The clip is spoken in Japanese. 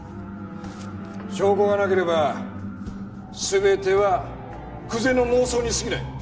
証拠がなければ全ては久瀬の妄想に過ぎない。